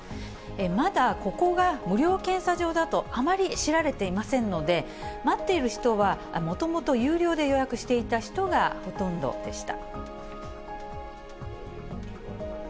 まだここが無料検査場だとあまり知られていませんので、待っている人は、もともと有料で予約していた人がほとんどでした。